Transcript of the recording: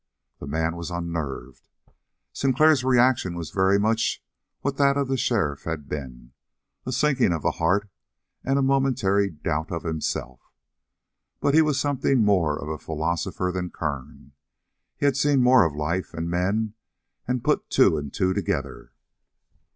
The man was unnerved. Sinclair's reaction was very much what that of the sheriff had been a sinking of the heart and a momentary doubt of himself. But he was something more of a philosopher than Kern. He had seen more of life and men and put two and two together.